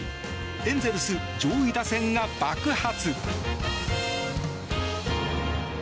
エンゼルス上位打線が爆発。